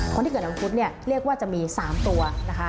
คนที่เกิดนำพุทธเรียกว่าจะมี๓ตัวนะคะ